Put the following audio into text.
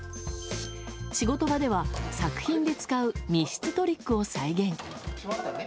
仕事場では作品で使う密室トリックを再現。